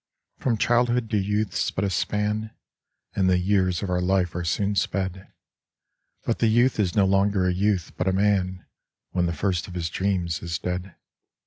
From childhood to youth's but a span, And the years of our life are soon sped; But the youth is no longer a youth, but a man, When the first of his dreams is dead.